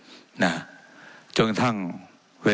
ว่าการกระทรวงบาทไทยนะครับ